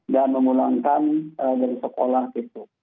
dan memulangkan dari sekolah gitu